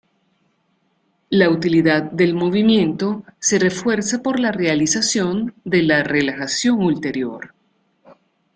La utilidad del movimiento se refuerza por la realización de la relajación ulterior.